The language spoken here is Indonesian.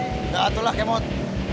tidak itulah kemut